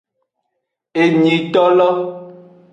Enyitolo.